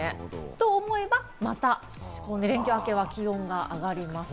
と思えばまた連休明けは気温が上がります。